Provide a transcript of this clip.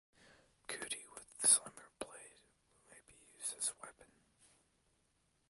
Kudi with slimmer blade may be used as weapon.